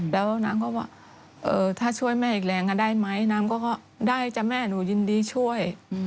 แล้วนางก็ว่าถ้าช่วยแม่อีกแรงได้ไหมน้ำก็ได้จ้ะแม่หนูยินดีช่วย